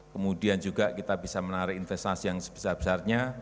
kemudian juga kita bisa menarik investasi yang sebesar besarnya